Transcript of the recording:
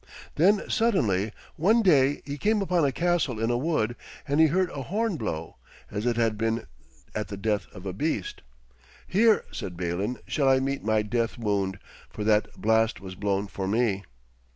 Then suddenly one day he came upon a castle in a wood, and he heard a horn blow, as it had been at the death of a beast. 'Here,' said Balin, 'shall I meet my death wound, for that blast was blown for me.'